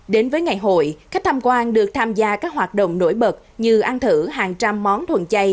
đến với ngày hội khách tham quan được tham gia các hoạt động nổi bật như ăn thử hàng trăm món thuần chay